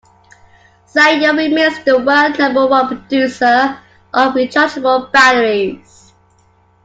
Sanyo remains the world number one producer of rechargeable batteries.